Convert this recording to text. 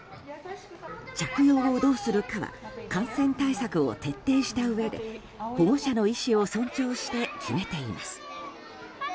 着用をどうするかは感染対策を徹底したうえで保護者の意思を尊重して決めています。